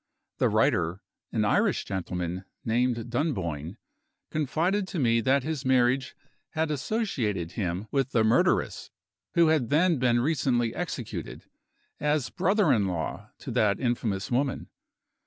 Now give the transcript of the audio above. The writer an Irish gentleman, named Dunboyne confided to me that his marriage had associated him with the murderess, who had then been recently executed, as brother in law to that infamous woman.